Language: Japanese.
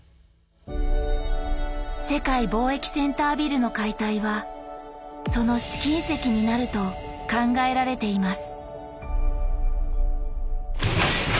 世界貿易センタービルの解体はその試金石になると考えられています。